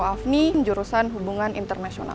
afni jurusan hubungan internasional